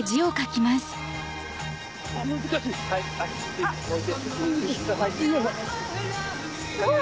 難しい！